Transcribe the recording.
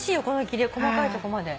切り絵細かいとこまで。